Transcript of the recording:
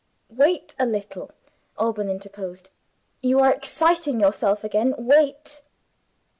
"Wait a little," Alban interposed. "You are exciting yourself again wait."